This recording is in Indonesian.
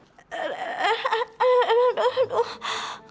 aduh aduh aduh